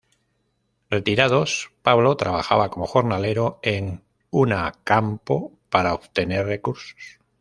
Retirados, Pablo trabajaba como jornalero en una campo para obtener recursos.